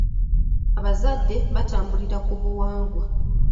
Abazadde batambulira ku buwangwa.